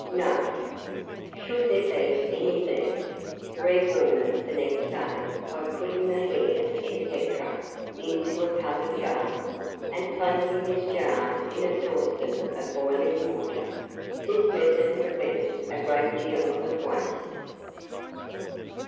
Note. Should there be any left, rewarm it the next day by putting the hare, &c. into a covered jar, and placing this jar in a saucepan of boiling water: this method prevents a great deal of waste.